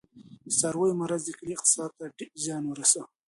د څارویو مرض د کلي اقتصاد ته ډېر زیان ورساوه.